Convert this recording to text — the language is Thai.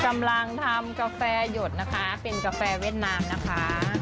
กำลังทำกาแฟหยดนะคะเป็นกาแฟเวียดนามนะคะ